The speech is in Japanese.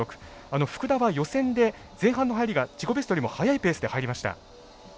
福田は、予選で前半の入りが自己ベストよりも速いペースで入りました。